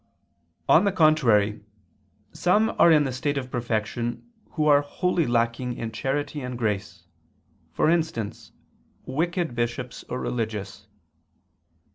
On the contrary, Some are in the state of perfection, who are wholly lacking in charity and grace, for instance wicked bishops or religious.